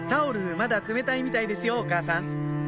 まだ冷たいみたいですよお母さん